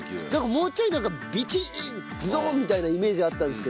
もうちょいなんかビチーッズドン！みたいなイメージあったんですけど。